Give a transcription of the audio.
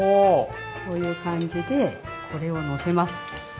こういう感じでこれをのせます。